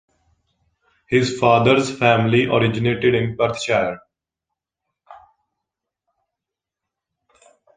His father's family originated in Perthshire.